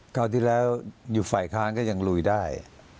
คราวที่แล้วอยู่ฝ่ายค้านก็ยังลุยได้